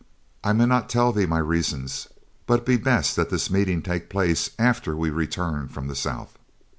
I may not tell thee my reasons, but it be best that this meeting take place after we return from the south."